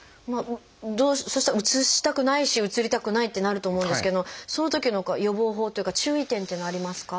そしたらうつしたくないしうつりたくないってなると思うんですけどそのとき何か予防法というか注意点というのはありますか？